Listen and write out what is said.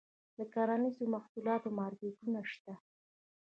د کرنیزو محصولاتو مارکیټونه شته؟